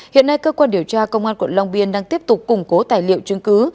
hiện nay cơ quan điều tra công an quận long biên đang tiếp tục củng cố tài liệu chứng cứ